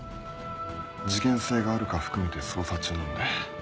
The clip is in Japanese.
事件性があるか含めて捜査中なので。